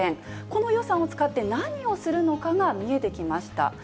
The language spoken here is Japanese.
この予算を使って、何をするのかが見えてきました。